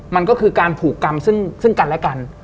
มันก็คือการผูกกรรมซึ่งกันและกัน